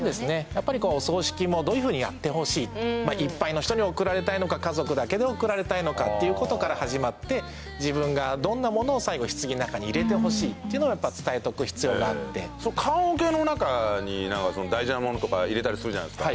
やっぱりお葬式もどういうふうにやってほしいいっぱいの人に送られたいのか家族だけで送られたいのかっていうことから始まって自分がどんなものを最後棺の中に入れてほしいってのがやっぱ伝えとく必要があって棺桶の中に大事なものとか入れたりするじゃないですか